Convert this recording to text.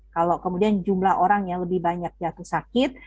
kalau kemudian jumlah orang yang lebih banyak jatuh sakit